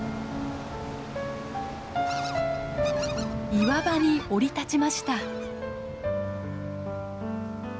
岩場に降り立ちました。